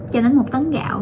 cho đến một tấn gạo